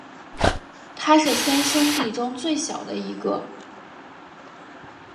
他是三兄弟中最小的一个。